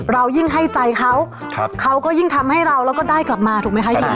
เรายิ่งให้ใจเขาเขาก็ยิ่งทำให้เราแล้วก็ได้กลับมาถูกไหมคะ